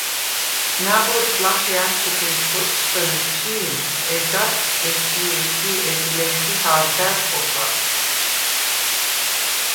ნა̈ბოზს ლახე ა̈თუ გუნ ხოჭჭყჷნე ჩი̄, ეჯას ეში̄-ეში̄ ეჯ ლე̄თი ჰა̄ვდა̈რ ხოხალ